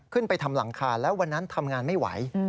ไปทำหลังคาแล้ววันนั้นทำงานไม่ไหว